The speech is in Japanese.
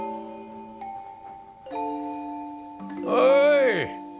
おい！